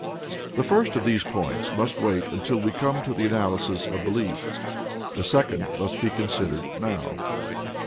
The first of these points must wait until we come to the analysis of belief: the second must be considered now.